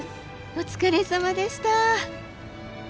お疲れさまでした！